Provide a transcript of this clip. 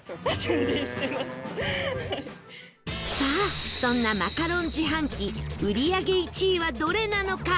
さあそんなマカロン自販機売り上げ１位はどれなのか？